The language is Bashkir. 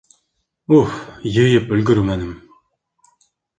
Уф, йыйып өлгөрмәнем.